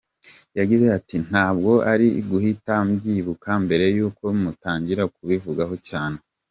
Yagize ati “Ntabwo nari guhita mbyibuka mbere y’uko mutangira kubivugaho cyane.